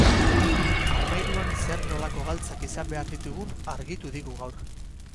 Armairuan zer-nolako galtzak izan behar ditugun argitu digu gaur.